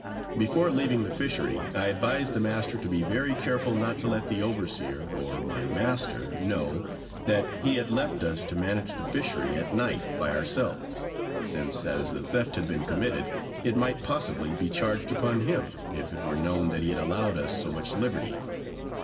Before leaving the fishery, I advised the master to be very careful not to let the overseer, or my master know, that he had left us to manage the fishery at night, by ourselves; since, as a theft had been committed, it might possibly be charged upon him, if it were known that he had allowed us so much liberty.